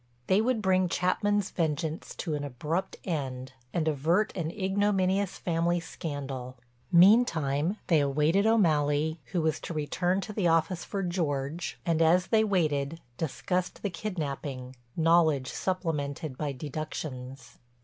They would bring Chapman's vengeance to an abrupt end and avert an ignominious family scandal. Meantime they awaited O'Malley—who was to return to the office for George—and as they waited discussed the kidnapping, knowledge supplemented by deductions.